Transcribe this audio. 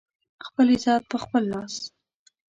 خپل عزت په خپل لاس